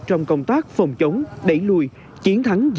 trong công tác phòng chống đẩy lùi chiến thắng dịch bệnh